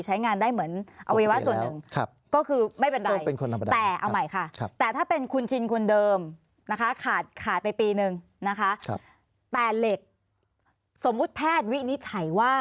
ใช้งานได้เหมือนอเวียวะส่วนหนึ่ง